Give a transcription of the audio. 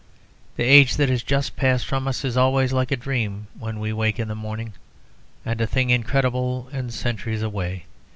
The age that has just passed from us is always like a dream when we wake in the morning, a thing incredible and centuries away.